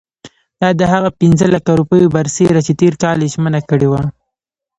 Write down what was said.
دا د هغه پنځه لکه روپیو برسېره چې تېر کال یې ژمنه کړې وه.